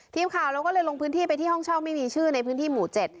ทีมข่าวเราก็เลยลงพื้นที่ไปที่ห้องเช่าไม่มีชื่อในพื้นที่หมู่เจ็ด